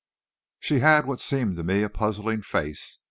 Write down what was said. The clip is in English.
She had what seemed to me a puzzling face.